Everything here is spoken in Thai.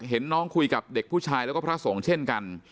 เห็นน้องคุยกับเด็กผู้ชายแล้วก็พระสงฆ์เช่นกัน